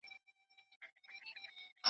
په ساینسي چارو کي هر جزیات اهمیت لري.